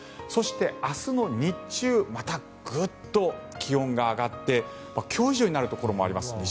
そして、明日の日中またグッと気温が上がって今日以上になるところもあります。